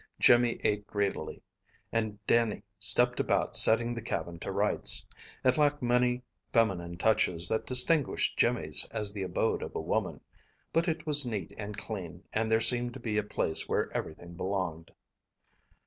Jimmy ate greedily, and Dannie stepped about setting the cabin to rights. It lacked many feminine touches that distinguished Jimmy's as the abode of a woman; but it was neat and clean, and there seemed to be a place where everything belonged.